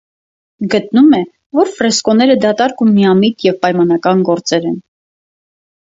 Գտնում է, որ ֆրեսկոները դատարկ ու միամիտ և պայմանական գործեր են։